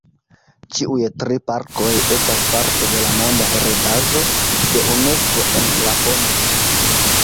Ĉiuj tri parkoj estas parto de la Monda heredaĵo de Unesko en Laponio.